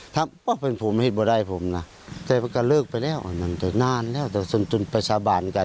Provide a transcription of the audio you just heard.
ถ้าเป็นผมไม่ได้ผมนะแต่ก็เลิกไปแล้วนานแล้วจนไปสาบานกัน